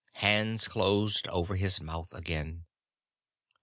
Hands closed over his mouth again.